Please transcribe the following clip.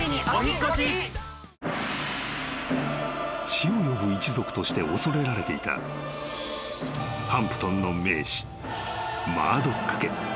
［死を呼ぶ一族として恐れられていたハンプトンの名士］